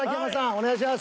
お願いします。